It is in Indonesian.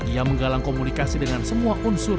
ia menggalang komunikasi dengan semua unsur